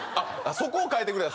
そこを変えてくれた？